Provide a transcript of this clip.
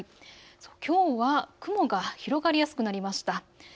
きょうは雲が広がりやすくなりました。